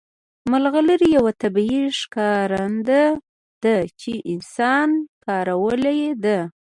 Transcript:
ملغلرې یو طبیعي ښکارنده ده چې انسان کارولې ده